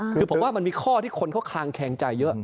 คือผมว่ามันมีข้อที่คนเขาคลางแคงใจเยอะ